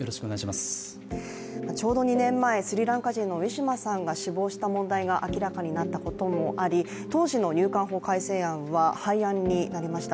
ちょうど２年前、スリランカ人のウィシュマさんが死亡した問題が明らかになったこともあり当時の入管法改正案は廃案になりました。